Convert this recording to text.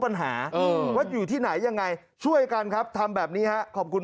ปัญหาว่าอยู่ที่ไหนยังไงช่วยกันครับทำแบบนี้ฮะขอบคุณ